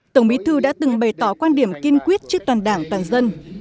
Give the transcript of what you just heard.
tổng bí thư đã từng bày tỏ quan điểm kiên quyết trước toàn đảng toàn dân